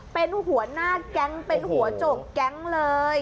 เป็นหัวหน้าแก๊งเป็นหัวโจกแก๊งเลย